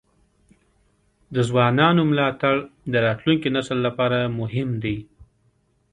د ځوانانو ملاتړ د راتلونکي نسل لپاره مهم دی.